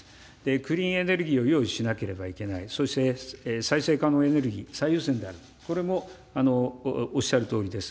クリーンエネルギーを用意しなければいけない、そして再生可能エネルギー最優先であると、これもおっしゃるとおりです。